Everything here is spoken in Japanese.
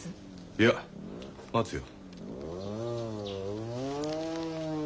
いや待つよ。